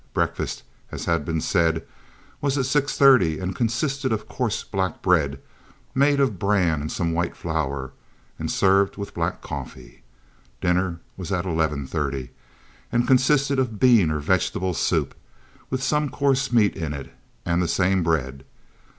Breakfast, as has been said, was at six thirty, and consisted of coarse black bread made of bran and some white flour, and served with black coffee. Dinner was at eleven thirty, and consisted of bean or vegetable soup, with some coarse meat in it, and the same bread.